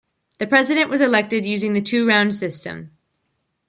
The President was elected using the two-round system.